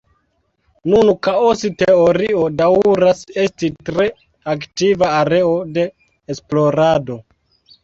Nun, kaos-teorio daŭras esti tre aktiva areo de esplorado.